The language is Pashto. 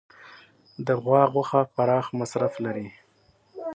د غوا غوښه پراخ مصرف لري.